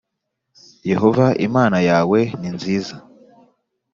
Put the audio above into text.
Yehova Imana yawe ninziza.